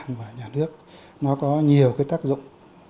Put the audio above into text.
đảng và nhà nước nó có nhiều cái tác dụng